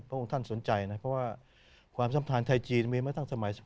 พระองค์ท่านสนใจเพราะว่าความซ้ำทานไทยจีนมีมาตั้งสมัยสกฤทัย